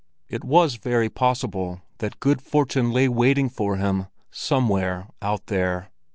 It was very possible that good fortune lay waiting for him somewhere out there.